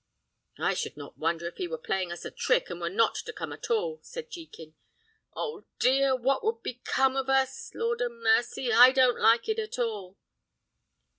"I should not wonder if he were playing us a trick, and were not to come at all," said Jekin. "Oh, dear! What would become of us? Lord a mercy! I don't like it at all!"